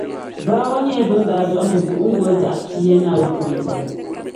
Bawa nyɛla bɛ ni daa dɔɣi so buɣim goli biɛɣu pia ni ayopɔidali.